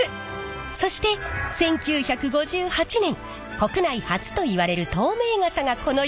そして１９５８年国内初といわれる透明傘がこの世に誕生しました！